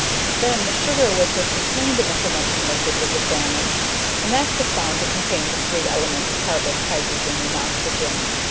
Then the sugar which was contained in the fermenting liquid was examined and that was found to contain the three elements carbon, hydrogen, and oxygen.